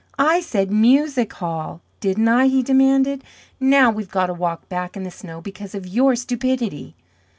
"I said, 'Music Hall,' didn't I?" he demanded. "Now we've got to walk back in the snow because of your stupidity!"